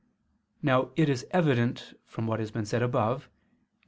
Now it is evident from what has been said above (Q.